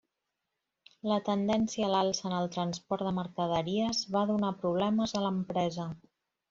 La tendència a l'alça en el transport de mercaderies va donar problemes a l'empresa.